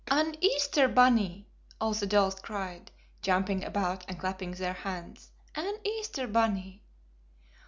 "An Easter bunny!" all the dolls cried, jumping about and clapping their hands. "An Easter bunny!"